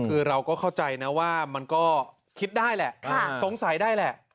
คือเราก็เข้าใจนะว่ามันก็คิดได้แหละสงสัยได้แหละ